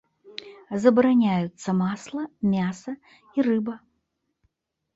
Забараняюцца масла, мяса й рыба.